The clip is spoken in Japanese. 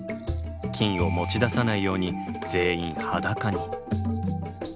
金を持ち出さないように全員裸に。